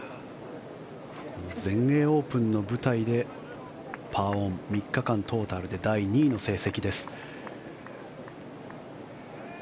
全英オープンの舞台でパーオン、３日間トータルで第２位の成績です。